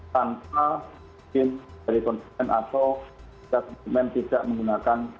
tanpa mungkin dari konsumen atau instrumen tidak menggunakan